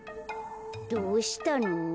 どうしたの？